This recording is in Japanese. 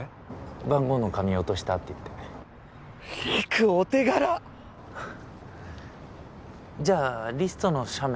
番号の紙落としたって言って陸お手柄っじゃあリストの写メ